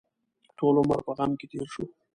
ټول عمر په غم کې تېر شو.